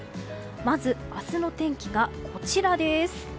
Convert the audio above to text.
まず明日の天気が、こちらです。